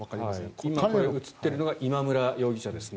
今、映っているのが今村容疑者ですね。